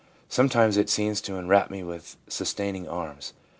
Sometimes it seems to enwrap me with sustaining arms.